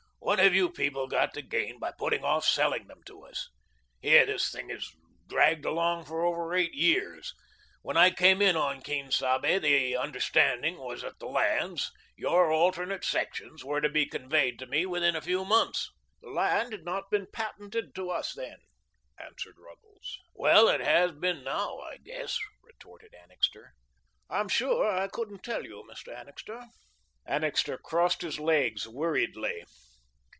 "What have you people got to gain by putting off selling them to us. Here this thing has dragged along for over eight years. When I came in on Quien Sabe, the understanding was that the lands your alternate sections were to be conveyed to me within a few months." "The land had not been patented to us then," answered Ruggles. "Well, it has been now, I guess," retorted Annixter. "I'm sure I couldn't tell you, Mr. Annixter." Annixter crossed his legs weariedly.